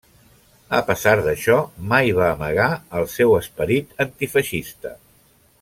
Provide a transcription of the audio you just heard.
A pesar d'això mai va amagar el seu esperit antifeixista.